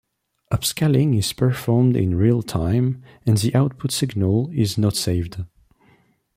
Upscaling is performed in real time, and the output signal is not saved.